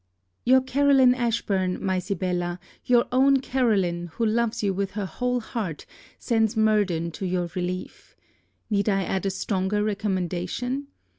_) Your Caroline Ashburn, My Sibella, your own Caroline, who loves you with her whole heart, sends Murden to your relief. Need I add a stronger recommendation?